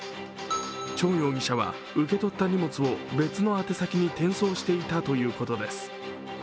張容疑者は受け取った荷物を別の宛先に転送していたということです。